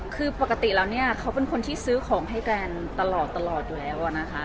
คือปกติแล้วเนี่ยเขาเป็นคนที่ซื้อของให้แฟนตลอดอยู่แล้วอะนะคะ